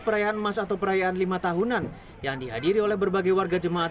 perayaan emas atau perayaan lima tahunan yang dihadiri oleh berbagai warga jemaat